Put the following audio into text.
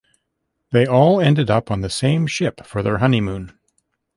They all end up on the same ship for their honeymoon.